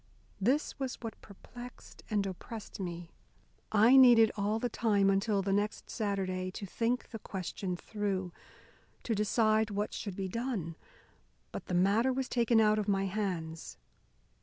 This was what perplexed and oppressed me. I needed all the time until the next Saturday to think the question through, to decide what should be done. But the matter was taken out of my hands.